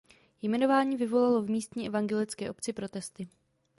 Jmenování vyvolalo v místní evangelické obci protesty.